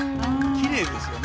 きれいですよね。